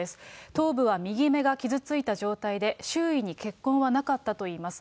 頭部は右目が傷ついた状態で、周囲に血痕はなかったといいます。